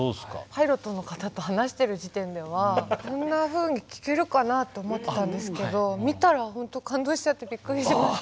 パイロットの方と話してる時点ではそんなふうに聴けるかなと思ってたんですけど見たら本当感動しちゃってびっくりしました。